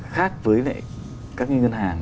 khác với các ngân hàng